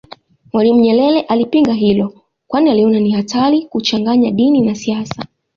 Mwalimu Nyerere alipinga hilo kwani aliona ni hatari kuchanganya dini na siasa